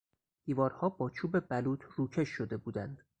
دیوارها با چوب بلوط روکش شده بودند.